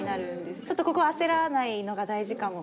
ちょっとここは焦らないのが大事かも。